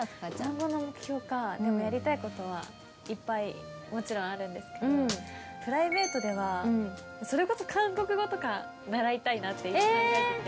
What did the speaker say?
でもやりたい事はいっぱいもちろんあるんですけどプライベートではそれこそ韓国語とか習いたいなって今考えてて。